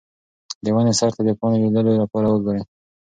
د ونې سر ته د پاڼې لیدو لپاره وګورئ.